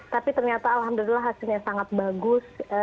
tapi ternyata alhamdulillah hasilnya sangat bagus